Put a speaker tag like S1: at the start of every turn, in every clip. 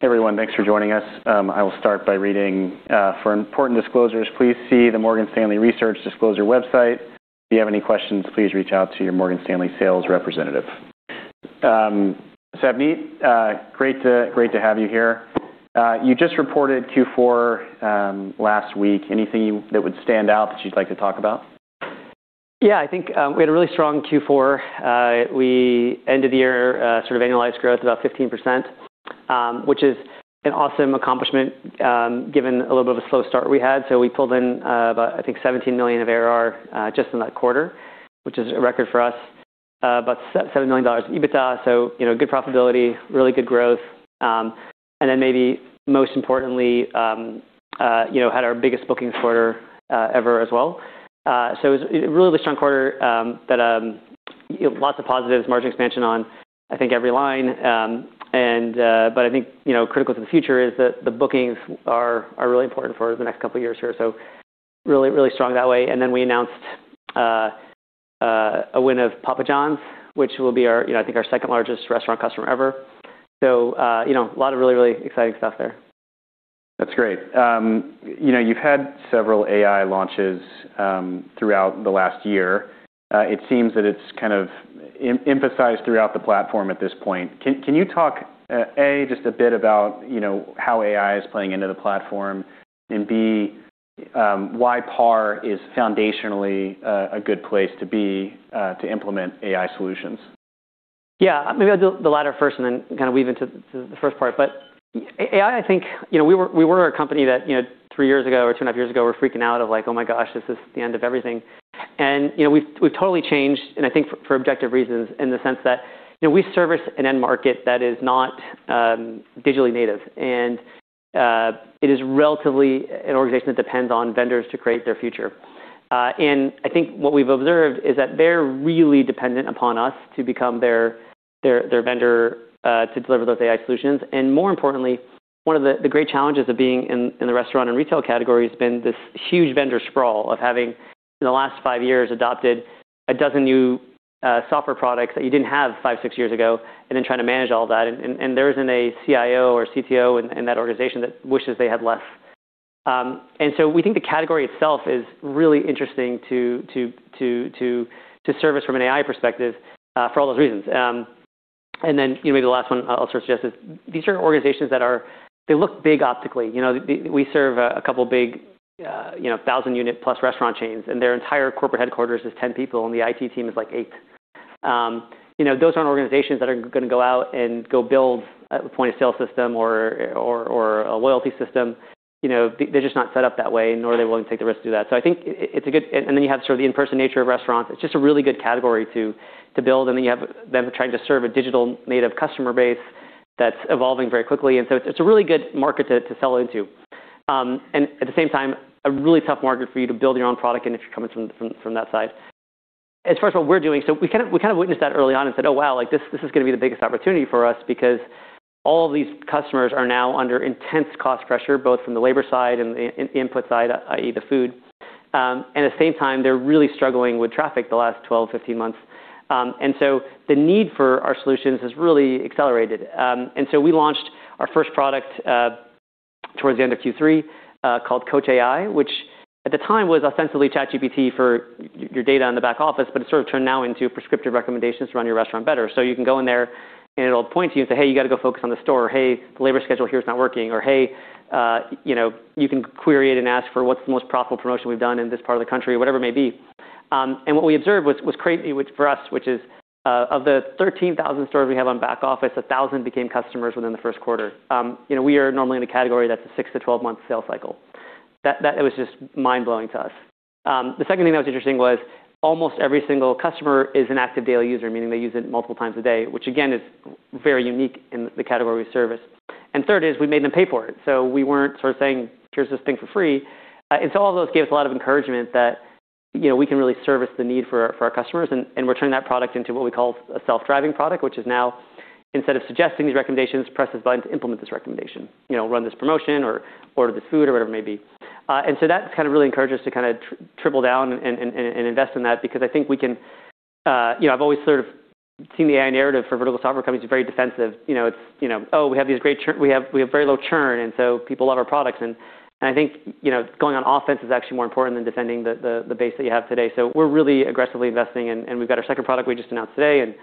S1: Everyone, thanks for joining us. I will start by reading, for important disclosures, please see the Morgan Stanley Research Disclosure website. If you have any questions, please reach out to your Morgan Stanley sales representative. Savneet, great to have you here. You just reported Q4 last week. Anything that would stand out that you'd like to talk about?
S2: Yeah. I think, we had a really strong Q4. We ended the year, sort of annualized growth about 15%, which is an awesome accomplishment, given a little bit of a slow start we had. We pulled in, about I think $17 million of ARR, just in that quarter, which is a record for us. About $7 million EBITDA, you know, good profitability, really good growth. Maybe most importantly, you know, had our biggest bookings quarter, ever as well. It was a really, really strong quarter, that, lots of positives, margin expansion on, I think, every line. I think, you know, critical to the future is that the bookings are really important for the next couple of years here. Really, really strong that way. Then we announced a win of Papa John's, which will be our, you know, I think our second-largest restaurant customer ever. You know, a lot of really, really exciting stuff there.
S1: That's great. You know, you've had several AI launches throughout the last year. It seems that it's kind of emphasized throughout the platform at this point. Can you talk, A, just a bit about, you know, how AI is playing into the platform and, B, why PAR is foundationally a good place to be to implement AI solutions?
S2: Yeah. Maybe I'll do the latter first and then kind of weave into, to the first part. AI, I think, you know, we were a company that, you know, 3 years ago or 2.5 years ago, were freaking out of, like, "Oh my gosh, this is the end of everything." You know, we've totally changed, and I think for objective reasons, in the sense that, you know, we service an end market that is not digitally native, and it is relatively an organization that depends on vendors to create their future. I think what we've observed is that they're really dependent upon us to become their vendor to deliver those AI solutions. More importantly, one of the great challenges of being in the restaurant and retail category has been this huge vendor sprawl of having, in the last 5 years, adopted 12 new software products that you didn't have 5, 6 years ago, and then trying to manage all that. There isn't a CIO or CTO in that organization that wishes they had less. We think the category itself is really interesting to service from an AI perspective for all those reasons. You know, maybe the last one I'll sort of suggest is these are organizations that look big optically. You know, we serve a couple big, you know, 1,000-unit plus restaurant chains, and their entire corporate headquarters is 10 people, and the IT team is, like, eight. You know, those aren't organizations that are gonna go out and go build a point-of-sale system or a loyalty system. You know, they're just not set up that way, nor are they willing to take the risk to do that. I think it's a good. Then you have sort of the in-person nature of restaurants. It's just a really good category to build. You have them trying to serve a digital-native customer base that's evolving very quickly. It's a really good market to sell into. At the same time, a really tough market for you to build your own product in if you're coming from that side. As far as what we're doing, we kind of witnessed that early on and said, "Oh, wow, like, this is gonna be the biggest opportunity for us," because all of these customers are now under intense cost pressure, both from the labor side and the input side, i.e., the food. At the same time, they're really struggling with traffic the last 12 months, 15 months. The need for our solutions has really accelerated. We launched our first product towards the end of Q3, called Coach AI, which at the time was ostensibly ChatGPT for your data in the back office, but it's sort of turned now into prescriptive recommendations to run your restaurant better. You can go in there, and it'll point to you and say, "Hey, you gotta go focus on the store." "Hey, the labor schedule here is not working." Or, "Hey, you know," you can query it and ask for, "What's the most profitable promotion we've done in this part of the country?" Whatever it may be. What we observed was crazy, which for us, which is of the 13,000 stores we have on back office, 1,000 became customers within the first quarter. You know, we are normally in a category that's a 6 months-12 months sales cycle. It was just mind-blowing to us. The second thing that was interesting was almost every single customer is an active daily user, meaning they use it multiple times a day, which again, is very unique in the category we service. Third is we made them pay for it, so we weren't sort of saying, "Here's this thing for free." All of those gave us a lot of encouragement that, you know, we can really service the need for our customers, and we're turning that product into what we call a self-driving product, which is now, instead of suggesting these recommendations, press this button to implement this recommendation. You know, run this promotion or order this food or whatever it may be. That's kind of really encouraged us to kinda triple down and invest in that because I think we can. You know, I've always sort of seen the AI narrative for vertical software companies as very defensive. You know, it's, you know, "Oh, we have these great churn. We have very low churn, and so people love our products." I think, you know, going on offense is actually more important than defending the base that you have today. We're really aggressively investing, and we've got our second product we just announced today and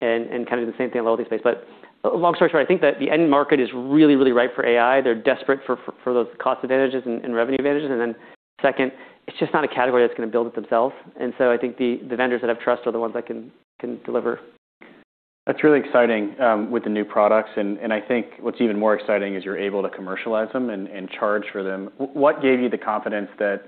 S2: kind of doing the same thing in the loyalty space. Long story short, I think that the end market is really ripe for AI. They're desperate for those cost advantages and revenue advantages. Second, it's just not a category that's gonna build it themselves. I think the vendors that have trust are the ones that can deliver.
S1: That's really exciting with the new products. I think what's even more exciting is you're able to commercialize them and charge for them. What gave you the confidence that,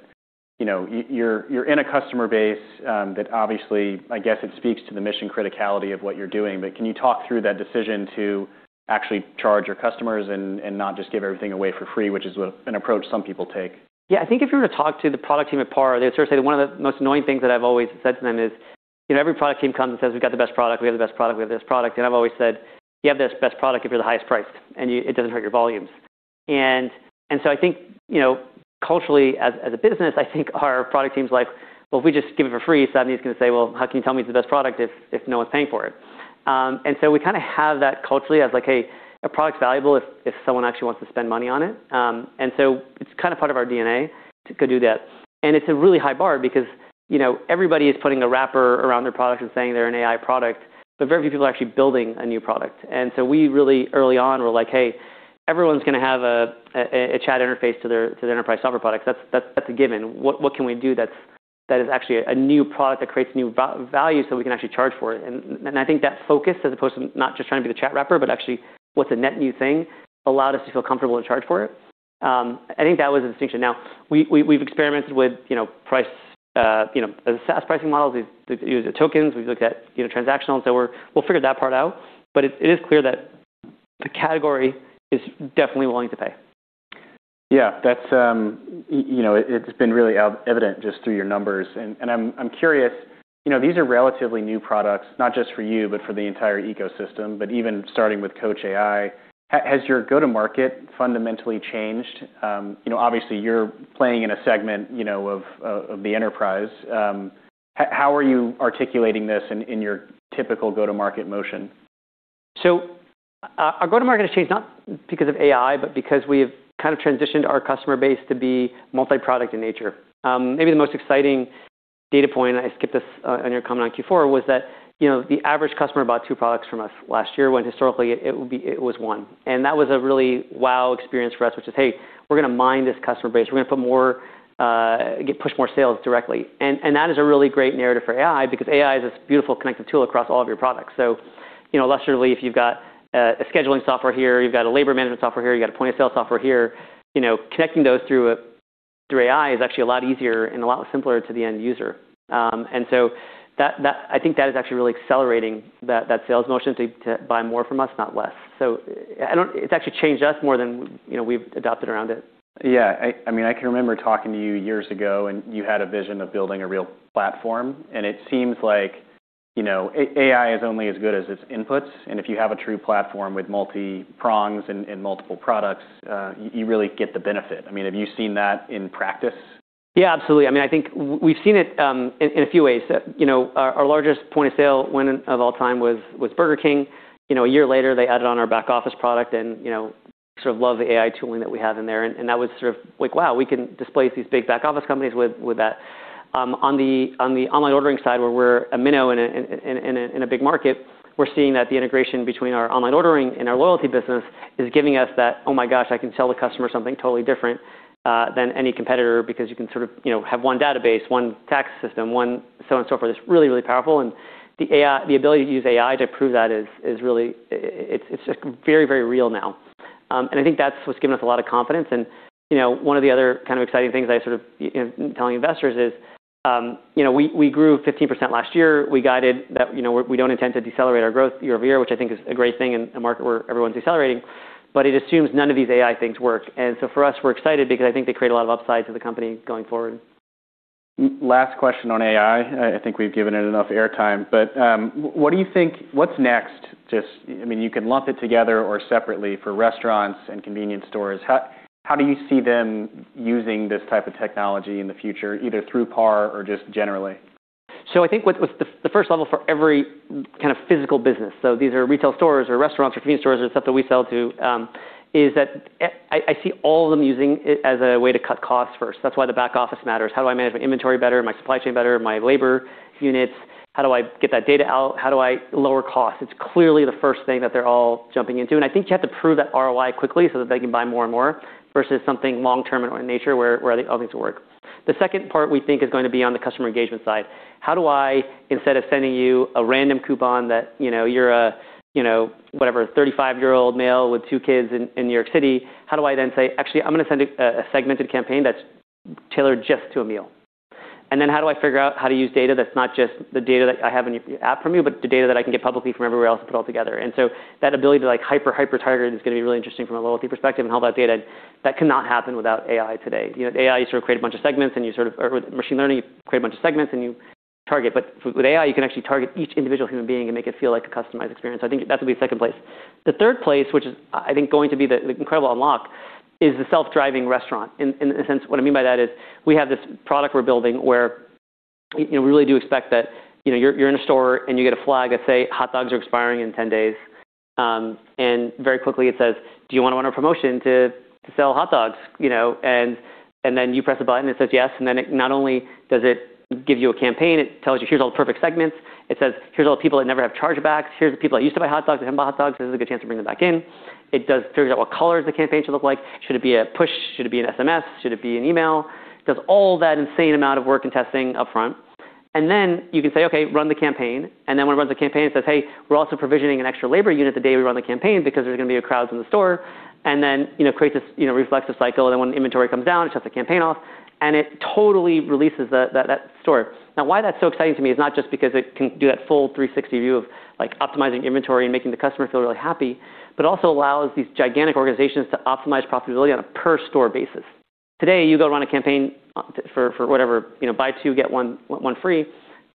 S1: you know, you're in a customer base that obviously, I guess it speaks to the mission criticality of what you're doing, but can you talk through that decision to actually charge your customers and not just give everything away for free, which is an approach some people take?
S2: Yeah. I think if you were to talk to the product team at PAR, they would sort of say one of the most annoying things that I've always said to them is, you know, every product team comes and says, "We've got the best product. We have the best product. We have the best product." I've always said, "You have the best product if you're the highest priced and it doesn't hurt your volumes." I think, you know, culturally as a business, I think our product team's like, "Well, if we just give it for free, Savneet's gonna say, 'Well, how can you tell me it's the best product if no one's paying for it?'" We kinda have that culturally as like, hey, a product's valuable if someone actually wants to spend money on it. It's kind of part of our DNA to go do that. It's a really high bar because, you know, everybody is putting a wrapper around their product and saying they're an AI product, but very few people are actually building a new product. We really early on were like, "Hey, everyone's gonna have a chat interface to their enterprise software product. That's a given. What can we do that is actually a new product that creates new value so we can actually charge for it?" I think that focus as opposed to not just trying to be the chat wrapper, but actually what's a net new thing, allowed us to feel comfortable to charge for it. I think that was a distinction. We've experimented with, you know, price, you know, the SaaS pricing models. We've used tokens. We've looked at, you know, transactionals. We'll figure that part out. It is clear that the category is definitely willing to pay.
S1: Yeah. That's, you know, it's been really evident just through your numbers. I'm curious, you know, these are relatively new products, not just for you, but for the entire ecosystem. Even starting with Coach AI, has your go-to-market fundamentally changed? You know, obviously you're playing in a segment, you know, of the enterprise. How are you articulating this in your typical go-to-market motion?
S2: Our go-to-market has changed, not because of AI, but because we've kind of transitioned our customer base to be multi-product in nature. Maybe the most exciting data point, I skipped this, on your comment on Q4, was that, you know, the average customer bought two products from us last year, when historically it was one. That was a really wow experience for us, which is, hey, we're gonna mine this customer base. We're gonna put more, push more sales directly. That is a really great narrative for AI because AI is this beautiful connective tool across all of your products. You know, illustratively, if you've got a scheduling software here, you've got a labor management software here, you've got a point-of-sale software here, you know, connecting those through AI is actually a lot easier and a lot simpler to the end user. I think that is actually really accelerating that sales motion to buy more from us, not less. It's actually changed us more than, you know, we've adapted around it.
S1: Yeah. I mean, I can remember talking to you years ago, and you had a vision of building a real platform, and it seems like, you know, AI is only as good as its inputs, and if you have a true platform with multi-prongs and multiple products, you really get the benefit. I mean, have you seen that in practice?
S2: Yeah, absolutely. I mean, I think we've seen it in a few ways. You know, our largest point of sale win of all time was Burger King. You know, a year later, they added on our back office product, you know, sort of love the AI tooling that we have in there. That was sort of like, wow, we can displace these big back office companies with that. On the online ordering side, where we're a minnow in a big market, we're seeing that the integration between our Online Ordering and our Loyalty business is giving us that, oh my gosh, I can sell the customer something totally different than any competitor because you can sort of, you know, have one database, one tax system, one so on and so forth. It's really, really powerful, and the ability to use AI to prove that is really, it's, like, very, very real now. I think that's what's given us a lot of confidence. You know, one of the other kind of exciting things I sort of am telling investors is, you know, we grew 15% last year. We guided that, you know, we don't intend to decelerate our growth year-over-year, which I think is a great thing in a market where everyone's decelerating, but it assumes none of these AI things work. For us, we're excited because I think they create a lot of upside to the company going forward.
S1: Last question on AI. I think we've given it enough airtime, but what do you think what's next? Just, I mean, you can lump it together or separately for restaurants and convenience stores. How do you see them using this type of technology in the future, either through PAR or just generally?
S2: I think what was the first level for every kind of physical business, so these are retail stores or restaurants or convenience stores or stuff that we sell to, is that I see all of them using it as a way to cut costs first. That's why the back office matters. How do I manage my inventory better, my supply chain better, my labor units? How do I get that data out? How do I lower costs? It's clearly the first thing that they're all jumping into. I think you have to prove that ROI quickly so that they can buy more and more versus something long-term in nature where all these will work. The second part we think is going to be on the customer engagement side. How do I, instead of sending you a random coupon that, you know, you're a, you know, whatever, 35-year-old male with two kids in New York City, how do I then say, "Actually, I'm gonna send a segmented campaign that's tailored just to Emil?" Then how do I figure out how to use data that's not just the data that I have in your app from you, but the data that I can get publicly from everywhere else to put all together? So that ability to, like, hyper target is gonna be really interesting from a loyalty perspective and all that data. That cannot happen without AI today. You know, the AI, you sort of create a bunch of segments. With machine learning, you create a bunch of segments, and you target. With AI, you can actually target each individual human being and make it feel like a customized experience. I think that will be second place. The third place, which is I think going to be the incredible unlock, is the self-driving restaurant. In a sense, what I mean by that is we have this product we're building where, you know, we really do expect that, you know, you're in a store and you get a flag that say, "Hot dogs are expiring in 10 days." Very quickly it says, "Do you wanna run a promotion to sell hot dogs?" You know, you press a button that says yes, it not only does it give you a campaign, it tells you, "Here's all the perfect segments." It says, "Here's all the people that never have chargebacks. Here's the people that used to buy hot dogs, they haven't bought hot dogs. This is a good chance to bring them back in." It figures out what colors the campaign should look like. Should it be a push? Should it be an SMS? Should it be an email? Does all that insane amount of work and testing upfront. Then you can say, "Okay, run the campaign." Then when it runs the campaign, it says, "Hey, we're also provisioning an extra labor unit the day we run the campaign because there's gonna be a crowd in the store." Then, you know, creates this, you know, reflexive cycle, and then when the inventory comes down, it shuts the campaign off, and it totally releases the, that store. Why that's so exciting to me is not just because it can do that full 360 view of, like, optimizing inventory and making the customer feel really happy, but also allows these gigantic organizations to optimize profitability on a per store basis. Today, you go run a campaign for whatever, you know, buy two, get one free,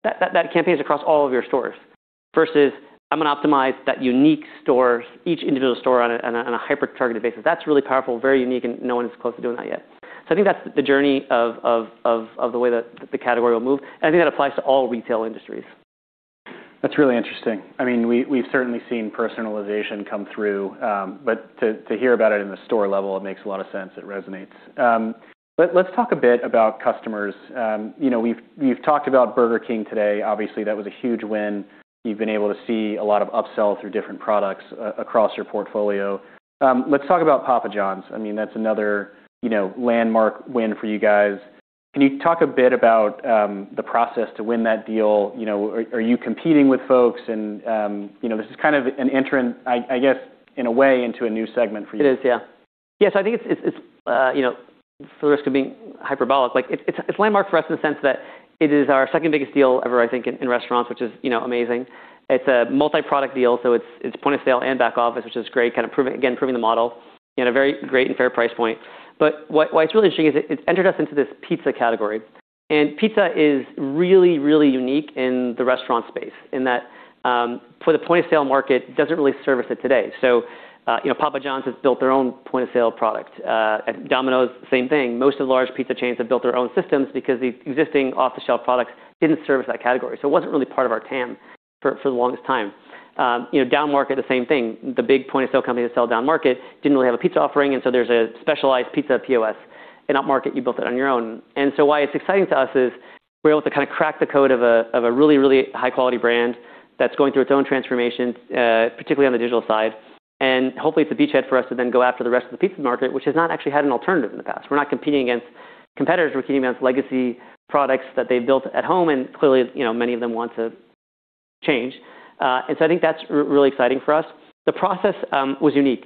S2: that campaign's across all of your stores. Versus I'm gonna optimize that unique store, each individual store on a hyper-targeted basis. That's really powerful, very unique, and no one's close to doing that yet. I think that's the journey of the way that the category will move, and I think that applies to all retail industries.
S1: That's really interesting. I mean, we've certainly seen personalization come through, but to hear about it in the store level, it makes a lot of sense. It resonates. Let's talk a bit about customers. You know, we've talked about Burger King today. Obviously, that was a huge win. You've been able to see a lot of upsell through different products across your portfolio. Let's talk about Papa Johns. I mean, that's another, you know, landmark win for you guys. Can you talk a bit about the process to win that deal? You know, are you competing with folks and, you know, this is kind of an enter in, I guess, in a way, into a new segment for you.
S2: It is, yeah. I think it's, you know, for the risk of being hyperbolic, like it's landmark for us in the sense that it is our second-biggest deal ever, I think, in restaurants, which is, you know, amazing. It's a multi-product deal, so it's point-of-sale and back office, which is great, kind of proving, again, proving the model in a very great and fair price point. What's really interesting is it's entered us into this pizza category, and pizza is really unique in the restaurant space in that for the point-of-sale market doesn't really service it today. You know, Papa Johns has built their own point-of-sale product. At Domino's, same thing. Most of the large pizza chains have built their own systems because the existing off-the-shelf products didn't service that category. It wasn't really part of our TAM for the longest time. you know, downmarket, the same thing. The big point-of-sale companies that sell downmarket didn't really have a pizza offering. There's a specialized pizza POS. In upmarket, you built it on your own. Why it's exciting to us is we're able to kind of crack the code of a, of a really, really high-quality brand that's going through its own transformation, particularly on the digital side. Hopefully it's a beachhead for us to then go after the rest of the pizza market, which has not actually had an alternative in the past. We're not competing against competitors. We're competing against legacy products that they built at home. Clearly, you know, many of them want to change. I think that's really exciting for us. The process was unique.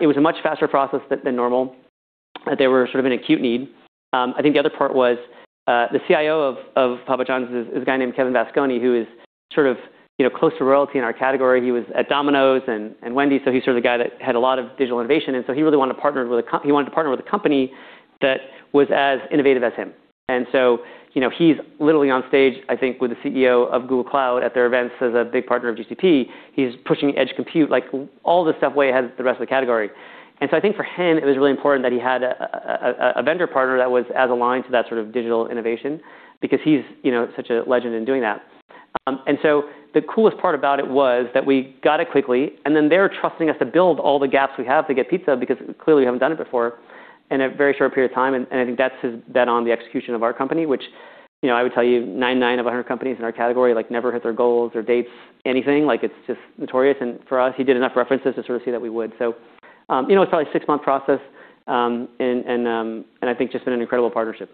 S2: It was a much faster process than normal. They were sort of in acute need. I think the other part was the CIO of Papa John's is a guy named Kevin Vasconi, who is sort of, you know, close to royalty in our category. He was at Domino's and Wendy's, so he's sort of the guy that had a lot of digital innovation, and so he really wanted to partner with a company that was as innovative as him. You know, he's literally on stage, I think, with the CEO of Google Cloud at their events as a big partner of GCP. He's pushing edge compute, like all this stuff way ahead of the rest of the category. I think for him, it was really important that he had a vendor partner that was as aligned to that sort of digital innovation because he's, you know, such a legend in doing that. The coolest part about it was that we got it quickly, and then they're trusting us to build all the gaps we have to get pizza because clearly we haven't done it before in a very short period of time, and I think that's his bet on the execution of our company, which, you know, I would tell you 99 of 100 companies in our category, like, never hit their goals or dates, anything. It's just notorious. For us, he did enough references to sort of see that we would. You know, it's probably a six-month process, and I think just been an incredible partnership.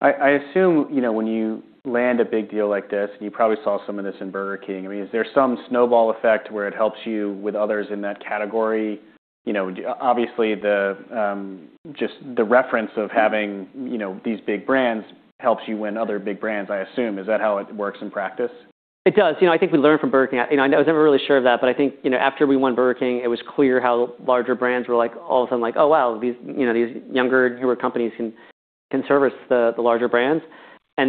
S1: I assume, you know, when you land a big deal like this, and you probably saw some of this in Burger King, I mean, is there some snowball effect where it helps you with others in that category? You know, obviously the just the reference of having, you know, these big brands helps you win other big brands, I assume. Is that how it works in practice?
S2: It does. You know, I think we learned from Burger King. I, you know, I was never really sure of that, but I think, you know, after we won Burger King, it was clear how larger brands were like all of a sudden like, oh, wow, these, you know, these younger, newer companies can service the larger brands. I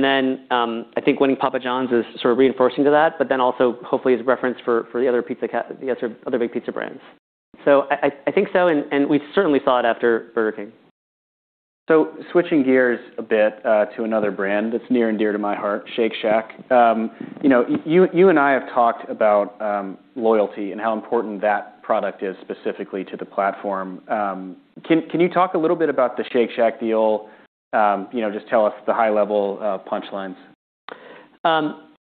S2: think winning Papa Johns is sort of reinforcing to that, but then also hopefully is reference for the other big pizza brands. I think so, and we certainly saw it after Burger King.
S1: Switching gears a bit, to another brand that's near and dear to my heart, Shake Shack. You know, you and I have talked about loyalty and how important that product is specifically to the platform. Can you talk a little bit about the Shake Shack deal? You know, just tell us the high-level punch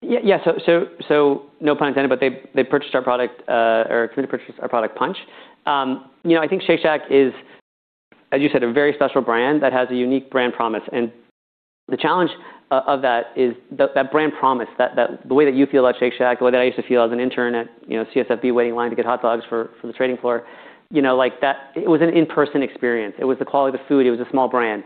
S1: lines.
S2: Yes. No pun intended, they purchased our product, or committed to purchase our product Punchh. You know, I think Shake Shack is, as you said, a very special brand that has a unique brand promise. The challenge of that is that brand promise, that, the way that you feel about Shake Shack, the way that I used to feel as an intern at, you know, CSFB waiting in line to get hot dogs for the trading floor, you know, like, that, it was an in-person experience. It was the quality of the food. It was a small brand.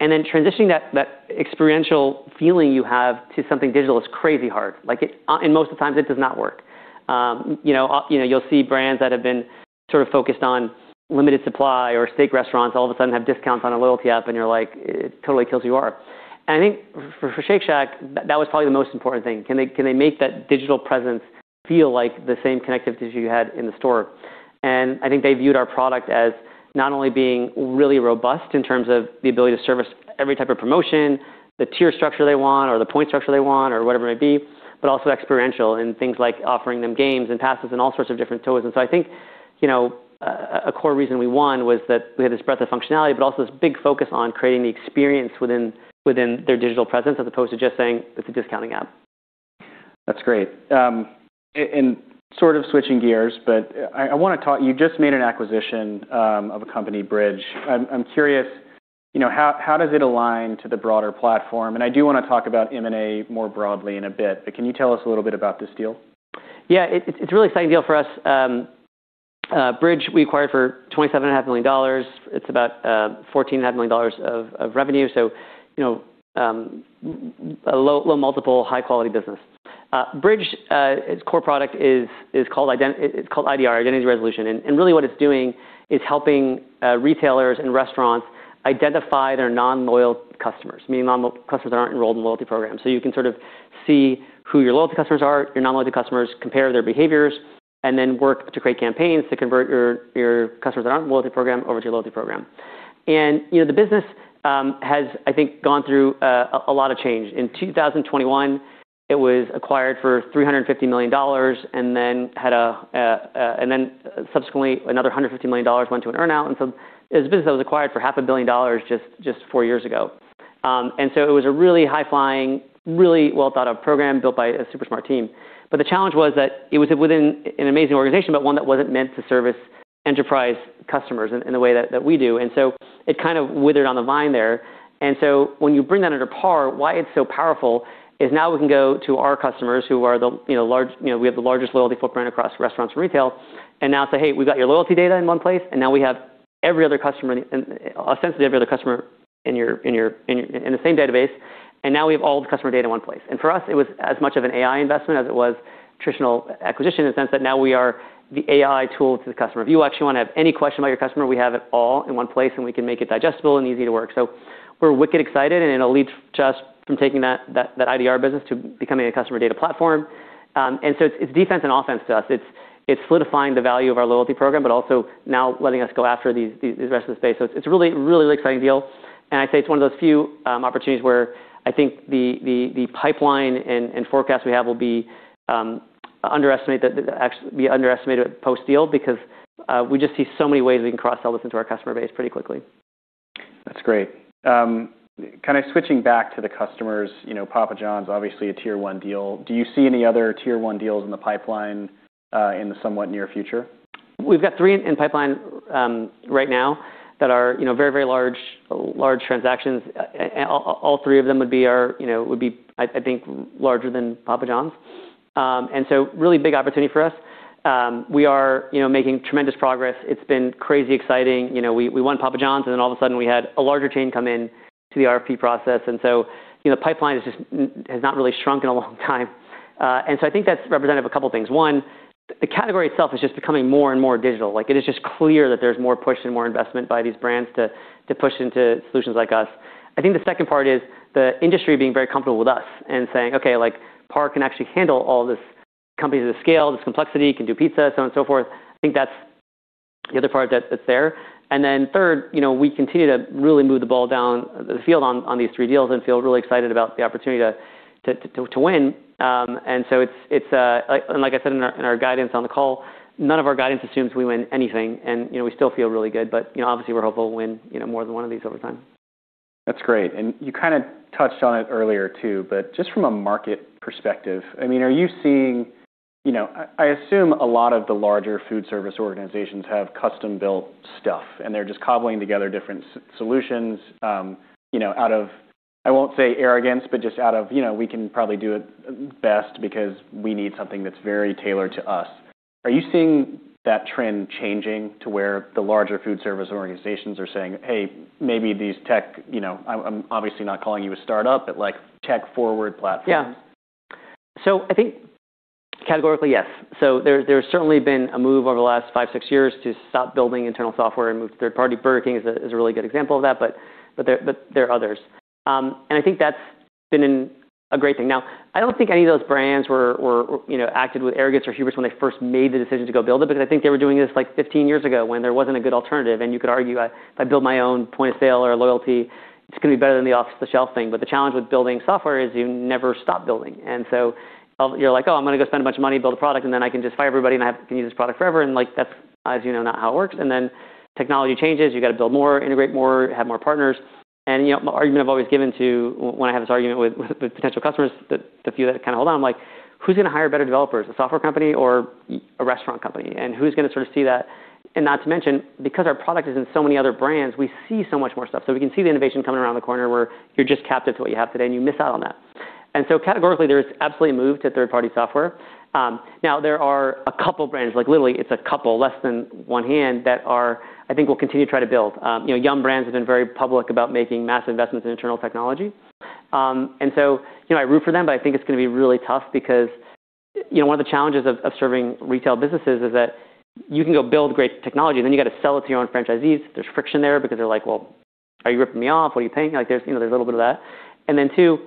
S2: Then transitioning that experiential feeling you have to something digital is crazy hard. Like, it, and most of the times it does not work. You know, you'll see brands that have been sort of focused on limited supply or steak restaurants all of a sudden have discounts on a loyalty app, and you're like, it totally kills who you are. I think for Shake Shack, that was probably the most important thing. Can they, can they make that digital presence feel like the same connectiveness you had in the store? I think they viewed our product as not only being really robust in terms of the ability to service every type of promotion, the tier structure they want or the point structure they want or whatever it may be, but also experiential in things like offering them games and passes and all sorts of different tools. I think, you know, a core reason we won was that we had this breadth of functionality but also this big focus on creating the experience within their digital presence, as opposed to just saying it's a discounting app.
S1: That's great. Sort of switching gears, but You just made an acquisition, of a company, Bridg. I'm curious, you know, how does it align to the broader platform? I do wanna talk about M&A more broadly in a bit, but can you tell us a little bit about this deal?
S2: Yeah. It's a really exciting deal for us. Bridg we acquired for $27.5 million. It's about $14.5 million of revenue, so, you know, low multiple, high-quality business. Bridg, its core product is called IDR, Identity Resolution. Really what it's doing is helping retailers and restaurants identify their non-loyal customers, meaning non-loyal customers that aren't enrolled in loyalty programs. You can sort of see who your loyalty customers are, your non-loyalty customers, compare their behaviors. Then work to create campaigns to convert your customers that aren't loyalty program over to your loyalty program. You know, the business has, I think, gone through a lot of change. In 2021, it was acquired for $350 million, and then subsequently, another $150 million went to an earn-out. It was a business that was acquired for half a billion dollars just four years ago. It was a really high-flying, really well-thought-out program built by a super smart team. The challenge was that it was within an amazing organization, but one that wasn't meant to service enterprise customers in the way that we do. It kind of withered on the vine there. When you bring that under PAR, why it's so powerful is now we can go to our customers who are the, you know, largest loyalty footprint across restaurants and retail, and now say, "Hey, we've got your loyalty data in one place, and now we have every other customer in, essentially every other customer in your, in the same database, and now we have all the customer data in one place." For us, it was as much of an AI investment as it was traditional acquisition in the sense that now we are the AI tool to the customer. If you actually wanna have any question about your customer, we have it all in one place, and we can make it digestible and easy to work. We're wicked excited, and it leads just from taking that IDR business to becoming a Customer Data Platform. It's defense and offense to us. It's solidifying the value of our loyalty program, but also now letting us go after these rest of the space. It's a really, really exciting deal, and I'd say it's one of those few opportunities where I think the pipeline and forecast we have will be underestimated post-deal because we just see so many ways we can cross-sell this into our customer base pretty quickly.
S1: That's great. Kinda switching back to the customers, you know, Papa John's obviously a tier one deal. Do you see any other tier one deals in the pipeline, in the somewhat near future?
S2: We've got three in pipeline, right now that are, you know, very large transactions. All three of them would be our, you know, would be I think larger than Papa John's. Really big opportunity for us. We are, you know, making tremendous progress. It's been crazy exciting. You know, we won Papa John's, all of a sudden, we had a larger chain come in to the RFP process. You know, pipeline is just has not really shrunk in a long time. I think that's representative of a couple things. One, the category itself is just becoming more and more digital. Like, it is just clear that there's more push and more investment by these brands to push into solutions like us. I think the second part is the industry being very comfortable with us and saying, "Okay, like, PAR can actually handle all this companies of scale, this complexity. It can do pizza, so on and so forth." I think that's the other part that's there. Third, you know, we continue to really move the ball down the field on these three deals and feel really excited about the opportunity to win. It's like, and like I said in our guidance on the call, none of our guidance assumes we win anything and, you know, we still feel really good. You know, obviously, we're hopeful to win, you know, more than one of these over time.
S1: That's great. You kinda touched on it earlier too, but just from a market perspective, I mean, are you seeing? You know, I assume a lot of the larger food service organizations have custom-built stuff, and they're just cobbling together different solutions, you know, out of, I won't say arrogance, but just out of, you know, we can probably do it best because we need something that's very tailored to us. Are you seeing that trend changing to where the larger food service organizations are saying, "Hey, maybe these tech," you know, I'm obviously not calling you a startup, but, like, tech-forward platforms.
S2: Yeah. I think categorically, yes. There's certainly been a move over the last five, six years to stop building internal software and move to third party. Burger King is a really good example of that, but there are others. I think that's been a great thing. Now, I don't think any of those brands were, you know, acted with arrogance or hubris when they first made the decision to go build it because I think they were doing this, like, 15 years ago when there wasn't a good alternative. You could argue, if I build my own point of sale or loyalty, it's gonna be better than the off-the-shelf thing. The challenge with building software is you never stop building. You're like, "Oh, I'm gonna go spend a bunch of money, build a product, and then I can just fire everybody, and I can use this product forever." Like, that's, as you know, not how it works. Then technology changes. You gotta build more, integrate more, have more partners. You know, the argument I've always given to when I have this argument with potential customers, the few that kinda hold on, I'm like, "Who's gonna hire better developers, a software company or a restaurant company? Who's gonna sorta see that?" Not to mention, because our product is in so many other brands, we see so much more stuff. We can see the innovation coming around the corner where you're just captive to what you have today, and you miss out on that. Categorically, there's absolutely a move to third-party software. Now there are a couple brands, like literally it's a couple, less than one hand, that I think will continue to try to build. Yum! Brands have been very public about making massive investments in internal technology. I root for them, but I think it's gonna be really tough because, you know, one of the challenges of serving retail businesses is that you can go build great technology, then you gotta sell it to your own franchisees. There's friction there because they're like, "Well, are you ripping me off? What are you paying?" Like, there's, you know, there's a little bit of that. Then two,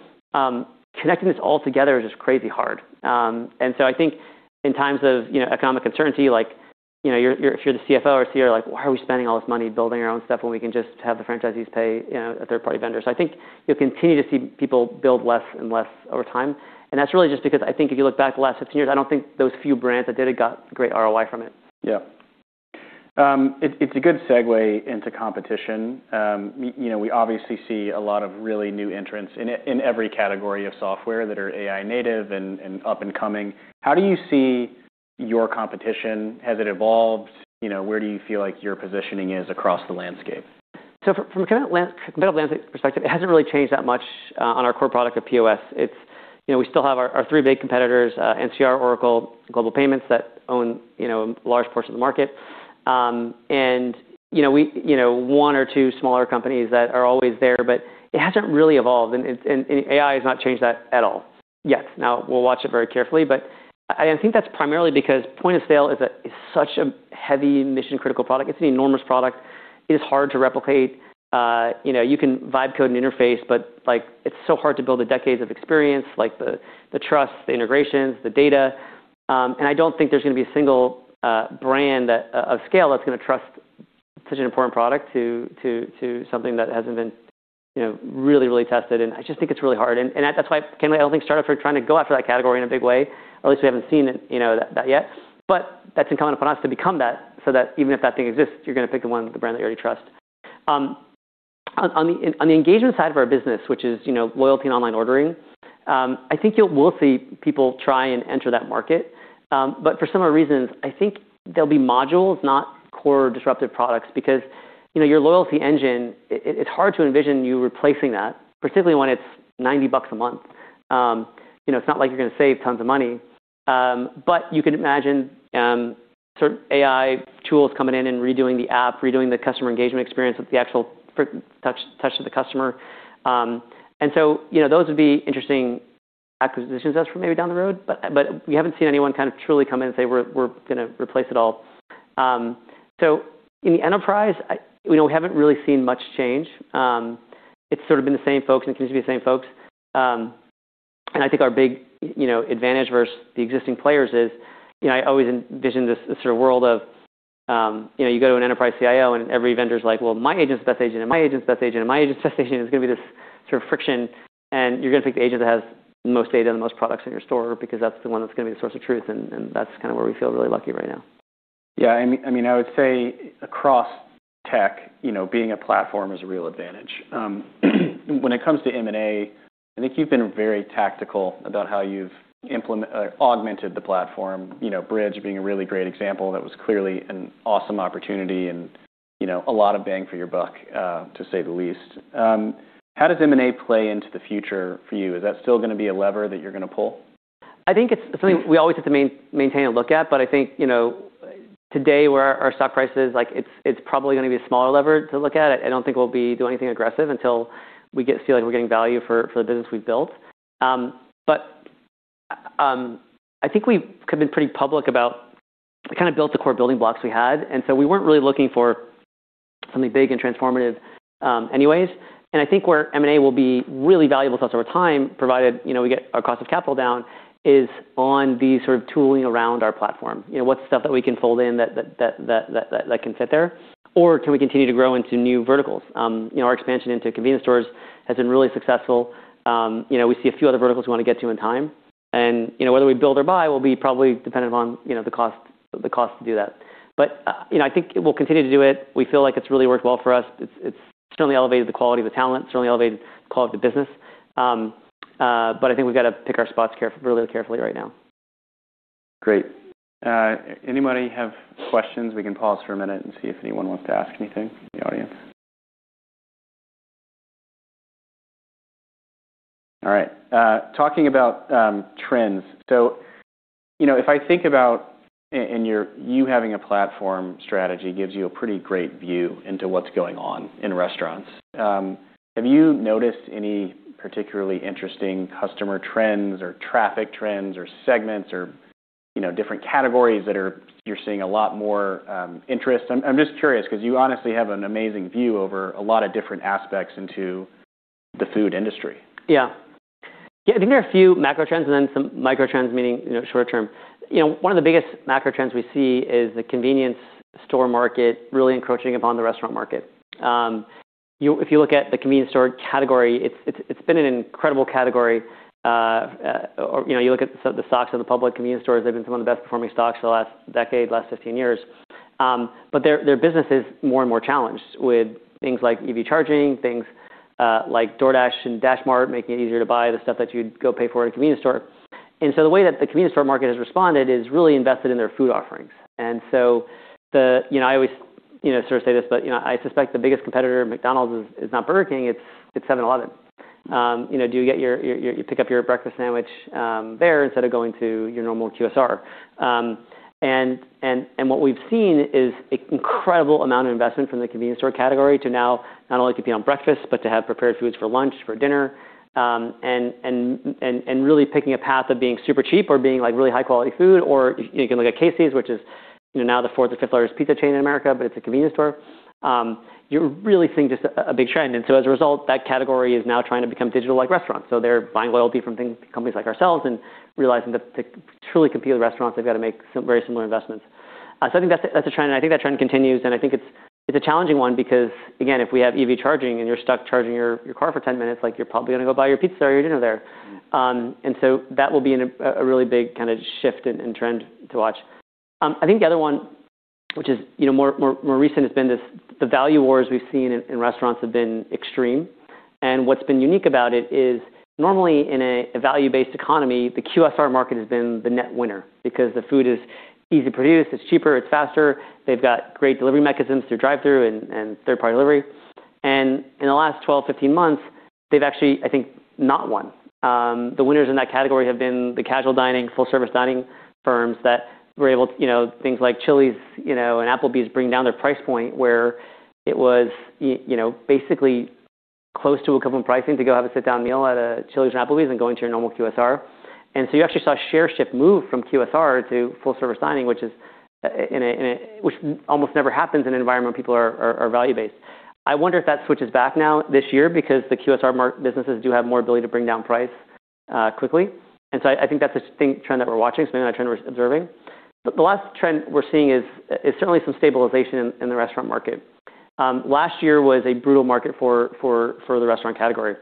S2: connecting this all together is just crazy hard. I think in times of, you know, economic uncertainty, like, you know, you're if you're the CFO or CEO, like, why are we spending all this money building our own stuff when we can just have the franchisees pay, you know, a third-party vendor? I think you'll continue to see people build less and less over time, and that's really just because I think if you look back the last 15 years, I don't think those few brands that did it got great ROI from it.
S1: Yeah. It's a good segue into competition. You know, we obviously see a lot of really new entrants in every category of software that are AI native and up and coming. How do you see your competition? Has it evolved? You know, where do you feel like your positioning is across the landscape?
S2: From a competitive landscape perspective, it hasn't really changed that much on our core product of POS. We still have our three big competitors, NCR, Oracle, Global Payments, that own large portion of the market. One or two smaller companies that are always there, but it hasn't really evolved, and AI has not changed that at all. Yet. Now we'll watch it very carefully, but I think that's primarily because point of sale is a heavy mission-critical product. It's an enormous product. It is hard to replicate. You can vibe code an interface, but, like, it's so hard to build the decades of experience, like the trust, the integrations, the data. I don't think there's gonna be a single brand of scale that's gonna trust such an important product to something that hasn't been, you know, really tested. I just think it's really hard. That's why I don't think startup are trying to go after that category in a big way. At least we haven't seen it, you know, that yet. That's incumbent upon us to become that, so that even if that thing exists, you're gonna pick the brand that you already trust. On the engagement side of our business, which is, you know, loyalty and online ordering, I think we'll see people try and enter that market. For similar reasons, I think there'll be modules, not core disruptive products, because, you know, your loyalty engine, it's hard to envision you replacing that, particularly when it's $90 a month. You know, it's not like you're gonna save tons of money. You can imagine, sort of AI tools coming in and redoing the app, redoing the customer engagement experience with the actual touch of the customer. So, you know, those would be interesting acquisitions us for maybe down the road, but we haven't seen anyone kind of truly come in and say, "We're gonna replace it all." In the enterprise, you know, we haven't really seen much change. It's sort of been the same folks, and continues to be the same folks. I think our big, you know, advantage versus the existing players is, you know, I always envision this sort of world of, you know, you go to an enterprise CIO, and every vendor's like, "Well, my agent's the best agent, and my agent's the best agent, and my agent's the best agent." There's gonna be this sort of friction, and you're gonna pick the agent that has the most data and the most products in your store because that's the one that's gonna be the source of truth, and that's kinda where we feel really lucky right now.
S1: Yeah. I mean, I would say across tech, you know, being a platform is a real advantage. When it comes to M&A, I think you've been very tactical about how you've augmented the platform. You know, Bridg being a really great example. That was clearly an awesome opportunity and, you know, a lot of bang for your buck to say the least. How does M&A play into the future for you? Is that still gonna be a lever that you're gonna pull?
S2: I think it's something we always have to maintain a look at, but I think, you know, today where our stock price is, like, it's probably gonna be a smaller lever to look at. I don't think we'll be doing anything aggressive until we feel like we're getting value for the business we've built. I think we have been pretty public about we kinda built the core building blocks we had, and so we weren't really looking for something big and transformative anyways. I think where M&A will be really valuable to us over time, provided, you know, we get our cost of capital down, is on the sort of tooling around our platform. You know, what's the stuff that we can fold in that can fit there? Can we continue to grow into new verticals? you know, our expansion into convenience stores has been really successful. you know, we see a few other verticals we wanna get to in time. you know, whether we build or buy will be probably dependent upon, you know, the cost to do that. you know, I think we'll continue to do it. We feel like it's really worked well for us. It's certainly elevated the quality of the talent, certainly elevated the quality of the business. I think we've gotta pick our spots really carefully right now.
S1: Great. Anybody have questions? We can pause for a minute and see if anyone wants to ask anything in the audience. All right. Talking about trends. You know, if I think about you having a platform strategy gives you a pretty great view into what's going on in restaurants. Have you noticed any particularly interesting customer trends or traffic trends or segments or, you know, different categories that you're seeing a lot more interest? I'm just curious 'cause you honestly have an amazing view over a lot of different aspects into the food industry.
S2: Yeah. Yeah, I think there are a few macro trends and then some micro trends, meaning, you know, short-term. You know, one of the biggest macro trends we see is the convenience store market really encroaching upon the restaurant market. If you look at the convenience store category, it's been an incredible category. Or, you know, you look at the stocks of the public convenience stores, they've been some of the best performing stocks for the last decade, last 15 years. Their business is more and more challenged with things like EV charging, things like DoorDash and DashMart making it easier to buy the stuff that you'd go pay for at a convenience store. The way that the convenience store market has responded is really invested in their food offerings. You know, I always, you know, sort of say this, but, you know, I suspect the biggest competitor of McDonald's is not Burger King, it's 7-Eleven. You know, do you pick up your breakfast sandwich there instead of going to your normal QSR? What we've seen is an incredible amount of investment from the convenience store category to now not only compete on breakfast, but to have prepared foods for lunch, for dinner, and really picking a path of being super cheap or being, like, really high quality food or... You can look at Casey's, which is, you know, now the fourth or fifth largest pizza chain in America, but it's a convenience store. You're really seeing just a big trend. As a result, that category is now trying to become digital like restaurants. They're buying loyalty from companies like ourselves and realizing that to truly compete with restaurants, they've got to make very similar investments. I think that's a, that's a trend, and I think that trend continues, and I think it's a challenging one because, again, if we have EV charging and you're stuck charging your car for 10 minutes, like, you're probably gonna go buy your pizza or your dinner there. That will be an, a really big kinda shift and trend to watch. I think the other one, which is, you know, more, more recent, has been this, the value wars we've seen in restaurants have been extreme. What's been unique about it is normally in a value-based economy, the QSR market has been the net winner because the food is easy to produce, it's cheaper, it's faster. They've got great delivery mechanisms through drive-thru and third-party delivery. In the last 12 months, 15 months, they've actually, I think, not won. The winners in that category have been the casual dining, full-service dining firms that were able to, you know, things like Chili's, you know, and Applebee's bring down their price point, where it was, you know, basically close to equivalent pricing to go have a sit-down meal at a Chili's and Applebee's than going to your normal QSR. You actually saw share shift move from QSR to full-service dining, which almost never happens in an environment where people are value-based. I wonder if that switches back now this year because the QSR businesses do have more ability to bring down price quickly. I think that's a distinct trend that we're watching, something I try to observing. The last trend we're seeing is certainly some stabilization in the restaurant market. Last year was a brutal market for the restaurant category.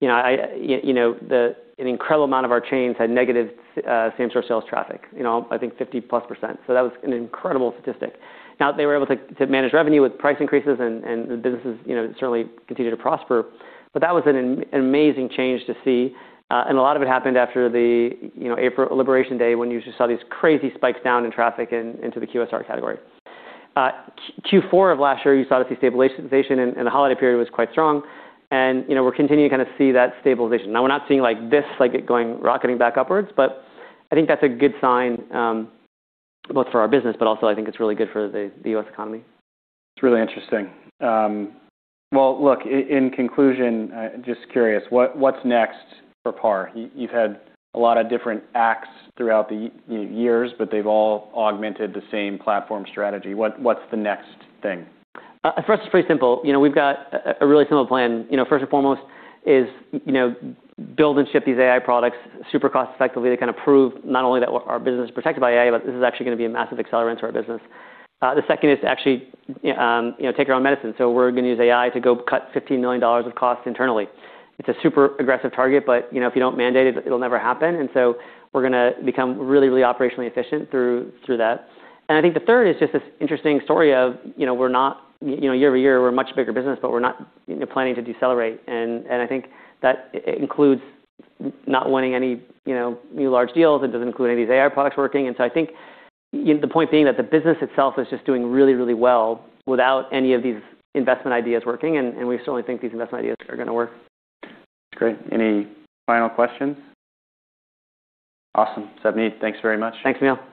S2: You know, the incredible amount of our chains had negative same-store sales traffic. You know, I think 50%+. That was an incredible statistic. Now they were able to manage revenue with price increases and the businesses, you know, certainly continue to prosper. That was an amazing change to see. A lot of it happened after the, you know, April Liberation Day when you just saw these crazy spikes down in traffic into the QSR category. Q4 of last year, you saw the destabilization and the holiday period was quite strong. You know, we're continuing to kinda see that stabilization. Now we're not seeing like this, like it going rocketing back upwards, but I think that's a good sign, both for our business, but also I think it's really good for the U.S. economy.
S1: It's really interesting. look, in conclusion, just curious, what's next for PAR? You've had a lot of different acts throughout the years, but they've all augmented the same platform strategy. What's the next thing?
S2: For us, it's pretty simple. You know, we've got a really simple plan. You know, first and foremost is, you know, build and ship these AI products super cost effectively to kind of prove not only that our business is protected by AI, but this is actually gonna be a massive accelerant to our business. The second is to actually, you know, take our own medicine. We're gonna use AI to go cut $15 million of costs internally. It's a super aggressive target, but you know, if you don't mandate it'll never happen. We're gonna become really operationally efficient through that. I think the third is just this interesting story of, you know, year-over-year, we're a much bigger business, but we're not, you know, planning to decelerate. I think that includes not wanting any, you know, new large deals. It doesn't include any of these AI products working. I think the point being that the business itself is just doing really, really well without any of these investment ideas working, we certainly think these investment ideas are gonna work.
S1: Great. Any final questions? Awesome. Savneet, thanks very much.
S2: Thanks, Neil.